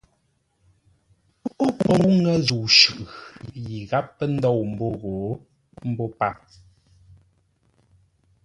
Ó póu ŋə́ zə̂u shʉʼʉ yi gháp pə́ ndôu ghô mbô páp.